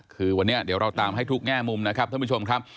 คือวันนี้เดี๋ยวเราตามให้ทุกแง่มุมนะครับท่านผู้ชมครับ